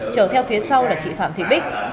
chở theo phía sau là chị phạm thị bích